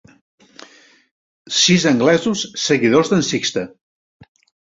Sis anglesos seguidors d'en Sixte.